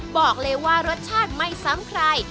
บอกเลยว่ารสชาติไม่ซ้ำใคร